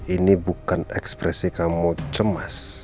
ini bukan ekspresi kamu cemas